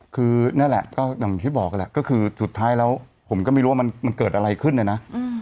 คือนั่นแหละก็อย่างที่บอกแหละก็คือสุดท้ายแล้วผมก็ไม่รู้ว่ามันเกิดอะไรขึ้นเนี่ยนะ